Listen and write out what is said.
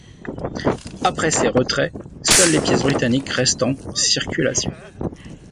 Après ces retraits, seules les pièces britanniques restent en circulation.